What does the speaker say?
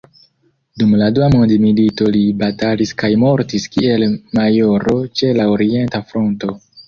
Dum la dua mondmilito li batalis kaj mortis kiel majoro ĉe la orienta fronto.